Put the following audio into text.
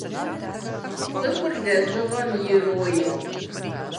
Цӏыхур лэжьыгъэм ироин.